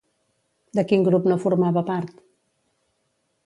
De quin grup no formava part?